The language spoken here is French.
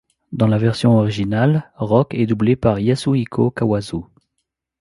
Dans la version originale, Rock est doublé par Yasuhiko Kawazu.